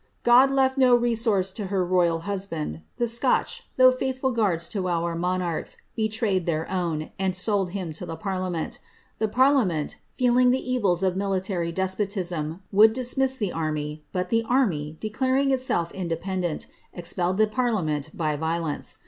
God left no resource to lier royal husband ; the Scotch, though faithful guards to our monnrchs,* betrayed their uwn, and frold him to the imrliument. The par liament, feeling the evils of military de>puti»m. would dismiss the army, but the army, dc^claring itself independi nt, expelled the ]>arliament by violence.